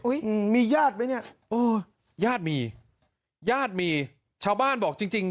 อืมมีญาติไหมเนี่ยเออญาติมีญาติมีชาวบ้านบอกจริงจริง